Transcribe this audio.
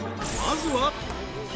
［まずは］